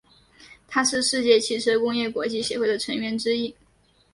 它是世界汽车工业国际协会的成员之一。